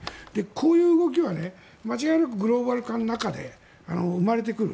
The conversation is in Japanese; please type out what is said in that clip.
こういう動きは間違いなくグローバル化の中で生まれてくる。